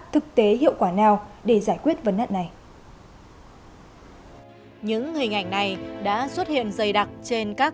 thực tế hiệu quả nào để giải quyết vấn nạn này những hình ảnh này đã xuất hiện dày đặc trên các